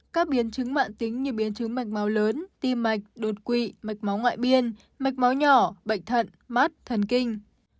các biến chứng mạng tính như biến chứng mạch máu lớn tim mạch đột quỵ mạch máu ngoại biên mạch máu nhỏ bệnh thận mắt thần kinh